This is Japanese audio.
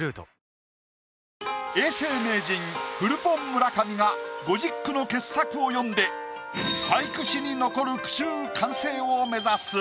村上が５０句の傑作を詠んで俳句史に残る句集完成を目指す。